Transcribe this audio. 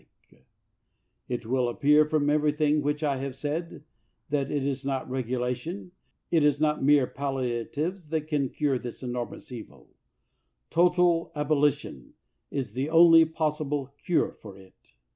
68 WILBERFORCE It will appear from everything which I have said, that it is not regulation, it is not mere pal liatives, that can cure this enormous evil. Total abolition is the only possible cure for it.